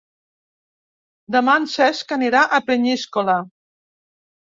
Demà en Cesc anirà a Peníscola.